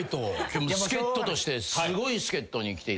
今日助っ人としてすごい助っ人に来て。